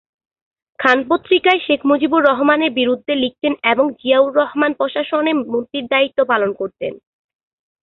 খান পত্রিকায় শেখ মুজিবুর রহমানের বিরুদ্ধে লিখতেন এবং জিয়াউর রহমান প্রশাসনে মন্ত্রীর দায়িত্ব পালন করতেন।